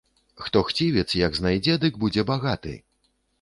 Што хцівец, як знайдзе, дык будзе багаты!